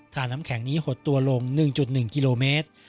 ทาน้ำแข็งนี้หน่อยประกัน๑๑กิโลเมตร